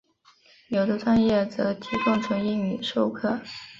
有的专业则提供纯英语授课。